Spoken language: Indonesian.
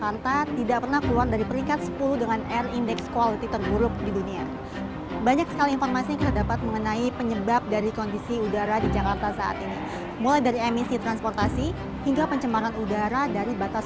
ini sebetulnya faktor terbesar dari penyebab udara di jakarta saat ini